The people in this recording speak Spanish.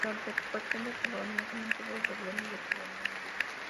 Durante la ocupación de Polonia se mantuvo el Gobierno de Polonia en el exilio.